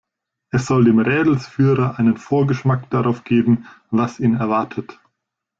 Es soll dem Rädelsführer einen Vorgeschmack darauf geben, was ihn erwartet.